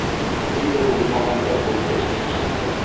Ниндәй уңмағандар был почта кешеләре!